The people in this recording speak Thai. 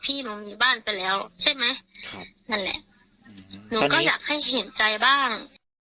พี่หนูมีบ้านไปแล้วใช่ไหมครับนั่นแหละหนูก็อยากให้เห็นใจบ้าง